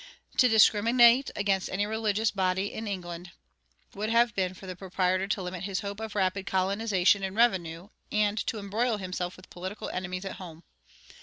To discriminate against any religious body in England would have been for the proprietor to limit his hope of rapid colonization and revenue and to embroil himself with political enemies at home.